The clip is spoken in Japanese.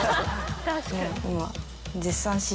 今。